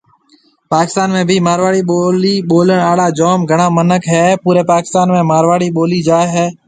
پاڪستان ۾ بهيَ مارواڙي ٻولي ٻولڻ آڙا جام گھڻا مِنک هيَ پوري پاڪستان ۾ مارواڙي ٻولي جائي هيَ۔